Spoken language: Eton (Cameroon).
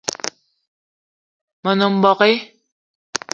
Me nem mbogue